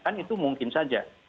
kan itu mungkin saja